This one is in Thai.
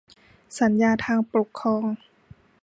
สัญญาทางปกครอง